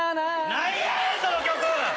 「何やねん⁉その曲！」